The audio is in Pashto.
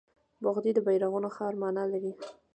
بخدي د بیرغونو ښار مانا لري